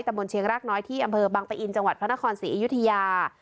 บนเชียงรากน้อยที่อำเภอบังปะอินจังหวัดพระนครศรีอยุธยา